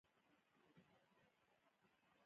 د پښتو ژبي د تقويي لپاره باید هر لیکوال کار وکړي.